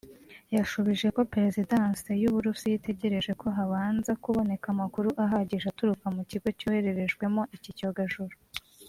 yashubije ko Perezidansi y’u Burusiya itegereje ko habanza kuboneka amakuru ahagije aturuka mu Kigo cyohererejwemo iki cyogajuru